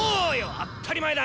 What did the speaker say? あったり前だ！